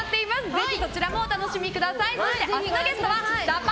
ぜひそちらもお楽しみください。